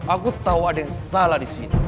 aku tahu ada yang salah disini